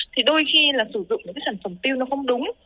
thì đôi khi là sử dụng những sản phẩm piu nó không đúng